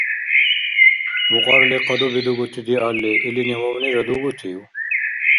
Мукьарли кьадуби дугути диалли, илини вавнира дугутив?